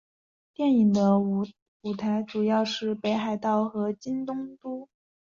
电影的舞台主要是北海道和东京都。